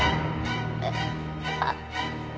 えっあっ。